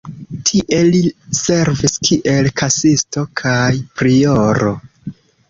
Tie li servis kiel kasisto kaj prioro.